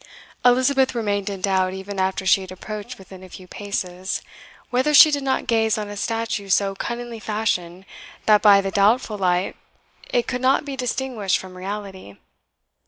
Elizabeth remained in doubt, even after she had approached within a few paces, whether she did not gaze on a statue so cunningly fashioned that by the doubtful light it could not be distinguished from reality.